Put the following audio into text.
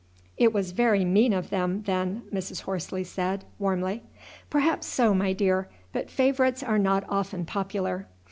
"It was very mean of them, then," Mrs. Horsley said warmly. "Perhaps so, my dear; but favourites are not often popular.